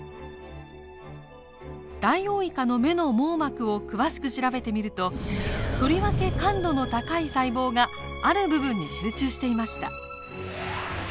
ダイオウイカの目の網膜を詳しく調べてみるととりわけ感度の高い細胞がある部分に集中していました。